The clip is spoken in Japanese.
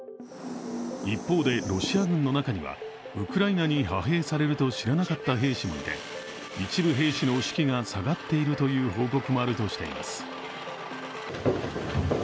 一方で、ロシア軍の中にはウクライナに派兵されると知らなかった兵士もいて一部兵士の士気が下がっているという報告もあるとしています。